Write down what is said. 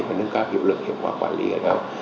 và nâng cao hiệu lực hiệu quả quản lý ở đâu